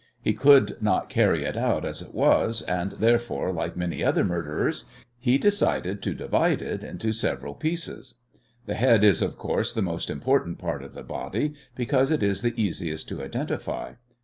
He could not carry it out as it was, and, therefore, like many other murderers, he decided to divide it into several pieces. The head is, of course, the most important part of the body, because it is the easiest to identify.